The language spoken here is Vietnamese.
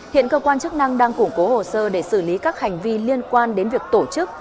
hiện cơ quan chức năng đang củng cố hồ sơ để xử lý các hành vi liên quan đến việc tổ chức